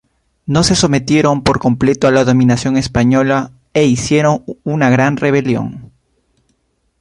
No se sometieron por completo a la dominación española e hicieron una gran rebelión.